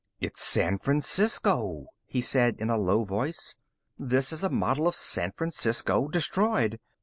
"It's San Francisco," he said in a low voice. "This is a model of San Francisco, destroyed.